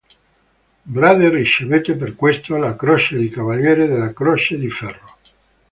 Baade ricevette per questo la Croce di Cavaliere della Croce di Ferro.